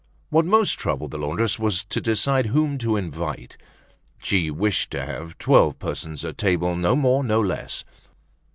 What most troubled the laundress was to decide whom to invite; she wished to have twelve persons at table, no more, no less.